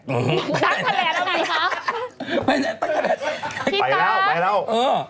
ตั๊กทาแหลทเอาไงคะ